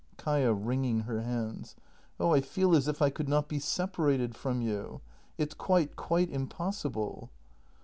Kaia. [Wringing her hands.] Oh, I feel as if I could not be separated from you! It's quite, quite impossible!